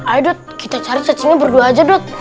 ayo dot kita cari cacingnya berdua aja dot